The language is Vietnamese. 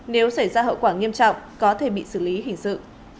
nếu xảy ra hậu quả nghiêm trọng có thể bị xử lý hình sự